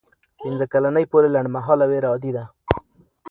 پنځه کلنۍ پورې لنډمهاله ویره عادي ده.